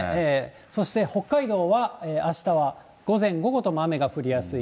そして北海道は、あしたは午前、午後とも雨が降りやすい。